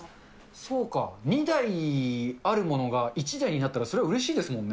そうか、２台あるものが１台になったら、それはうれしいですもんね。